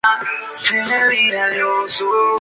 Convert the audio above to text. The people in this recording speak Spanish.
De regreso a Sabinas trabajó como profesor.